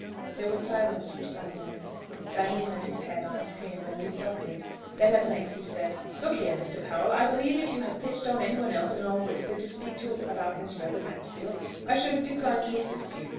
There was silence for some minutes. Diamond leant his head on his hand, and reflected. Then at length he said, "Look here, Mr. Powell; I believe, if you had pitched on anyone else in all Whitford to speak to about Miss Rhoda Maxfield, I should have declined to assist you.